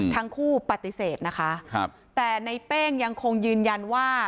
ทั้งคู่ปฏิเสธนะคะครับแต่ในเป้งยังคงยืนยันว่า